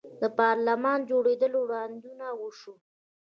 د پارلمان جوړیدل وړاندوینه وشوه.